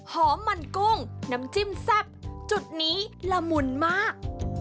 หอมมันกุ้งน้ำจิ้มแซ่บจุดนี้ละมุนมาก